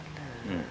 うん？